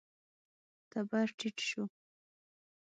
تبر ټيټ شو.